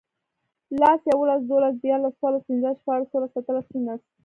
لس, یوولس, دوولس, دیرلس، څورلس, پنځلس, شپاړس, اووهلس, اتهلس, نونس